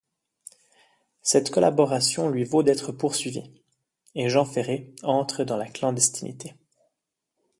Cette collaboration lui vaut d'être poursuivi et Jean Ferré entre dans la clandestinité.